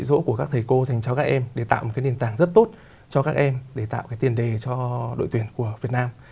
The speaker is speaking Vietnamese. thứ ba là cái dỗ của các thầy cô dành cho các em để tạo một cái nền tảng rất tốt cho các em để tạo cái tiền đề cho đội tuyển của việt nam